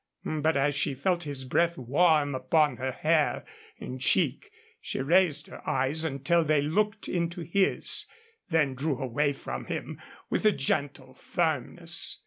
But as she felt his breath warm upon her hair and cheek she raised her eyes until they looked into his; then drew away from him with a gentle firmness.